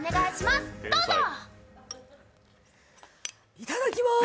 いただきまーす。